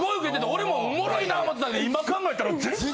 俺もおもろいな思ってたけど今考えたら全然。